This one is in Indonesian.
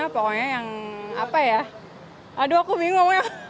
pokoknya yang apa ya aduh aku bingung